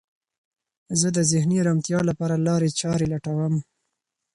زه د ذهني ارامتیا لپاره لارې چارې لټوم.